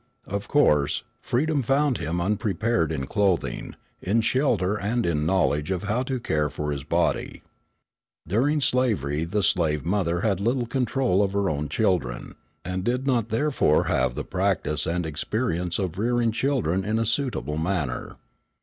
Of course, freedom found him unprepared in clothing, in shelter and in knowledge of how to care for his body. During slavery the slave mother had little control of her own children, and did not therefore have the practice and experience of rearing children in a suitable manner.